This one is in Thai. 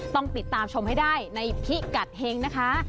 ต้องติดตามชมให้ได้ในพิกัดเฮงนะคะ